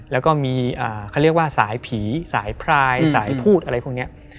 แล้วก็มีเขาเรียกว่าสายผีสายพรายสายพูดอะไรพวกนี้